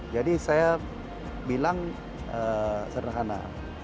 jadi saya bilang sederhana